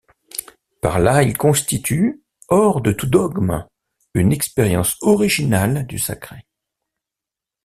Par là, il constitue, hors de tout dogme, une expérience originale du sacré.